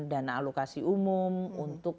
dana alokasi umum untuk